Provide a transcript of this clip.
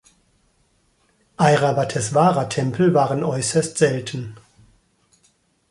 Airavatesvara-Tempel waren äußerst selten.